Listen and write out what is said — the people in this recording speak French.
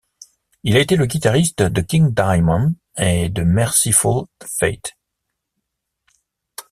Il a été le guitariste de King Diamond et de Mercyful Fate.